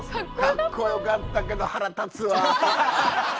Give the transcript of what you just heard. かっこよかったけど腹立つわ。